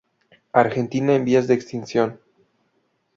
Argentina en vías de extinción.